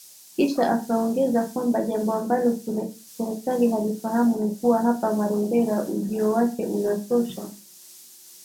Kisha akaongeza kwamba jambo ambalo serikali hailifahamu ni kuwa hapa Marondera, ujio wake unatosha”